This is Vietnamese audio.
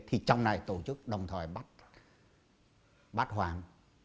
thì trong này tổ chức đồng thời bắt hoàng